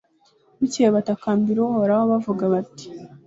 bukeye, batakambira uhoraho, bavuga bati